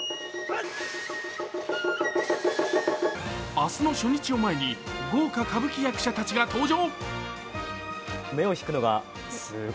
明日の初日を前に豪華歌舞伎役者たちが登場。